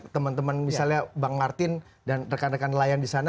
teman teman misalnya bang martin dan rekan rekan nelayan di sana